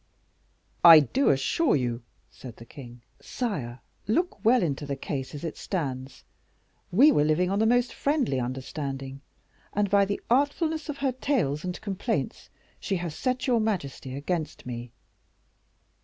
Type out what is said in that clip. "I do assure you " said the king. "Sire, look well into the case as it stands; we were living on the most friendly understanding, and by the artfulness of her tales and complaints, she has set your majesty against me."